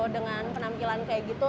dengan penampilan kayak gitu